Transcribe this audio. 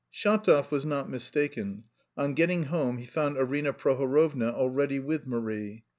Shatov was not mistaken: on getting home he found Arina Prohorovna already with Marie.